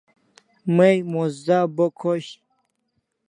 May mos za bo khosh